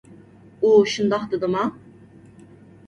ئۇ شۇنداق دېدىما؟